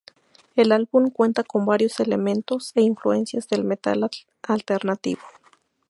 El álbum cuenta con varios elementos e influencias del metal alternativo.